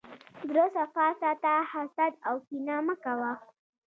زړه صفا ساته، حسد او کینه مه کوه.